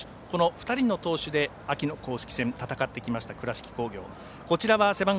この２人の投手で秋の公式戦を戦ってきました倉敷工業です。